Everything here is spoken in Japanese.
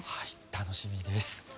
楽しみです。